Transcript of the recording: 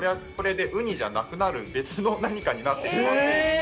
ウニじゃなくなる別の何かになってしまう。